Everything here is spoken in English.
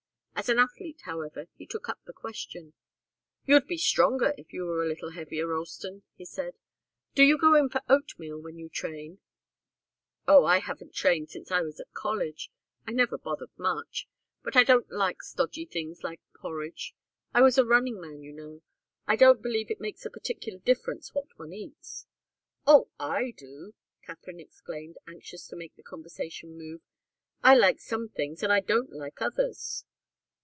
As an athlete, however, he took up the question. "You'd be stronger if you were a little heavier, Ralston," he said. "Do you go in for oatmeal when you train?" "Oh I haven't trained since I was at college. I never bothered much. But I don't like stodgy things like porridge. I was a running man, you know. I don't believe it makes a particle of difference what one eats." "Oh, I do!" Katharine exclaimed, anxious to make the conversation move. "I like some things and I don't like others."